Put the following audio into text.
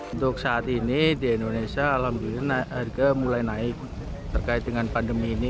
untuk saat ini di indonesia alhamdulillah harga mulai naik terkait dengan pandemi ini